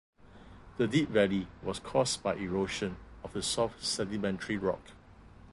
The deep valley was caused by erosion of the soft sedimentary rock.